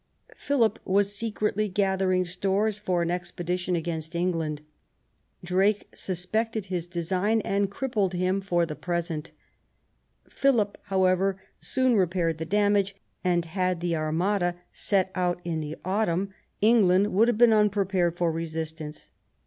Philip was secretly gathering stores for an expedition against England ; Drake suspected his design and crippled him for the present. Philip, however, soon repaired the damage, and, had the Armada set out in the autumn, England would have been unprepared for resistance.